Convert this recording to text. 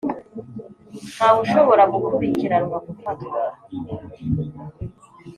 Ntawe ushobora gukurikiranwa, gufatwa,